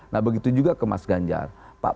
nah begitu juga ke mas ganjar